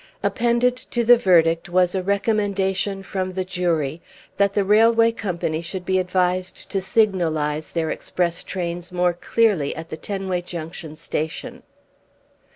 Appended to the verdict was a recommendation from the jury that the Railway Company should be advised to signalise their express trains more clearly at the Tenway Junction Station.